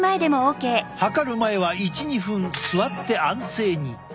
測る前は１２分座って安静に。